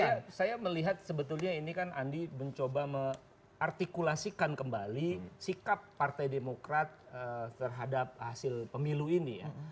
iya saya melihat sebetulnya ini kan andi mencoba mengartikulasikan kembali sikap partai demokrat terhadap hasil pemilu ini ya